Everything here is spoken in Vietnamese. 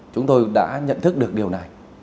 chúng tôi đã nhận thức được điều này